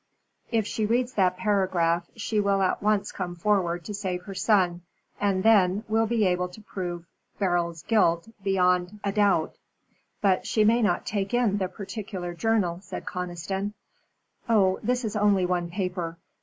If she reads that paragraph she will at once come forward to save her son, and then we'll be able to prove Beryl's guilt beyond a doubt." "But she may not take in the particular journal," said Conniston. "Oh, this is only one paper.